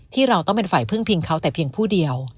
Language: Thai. เราต้องเป็นฝ่ายพึ่งพิงเขาแต่เพียงผู้เดียว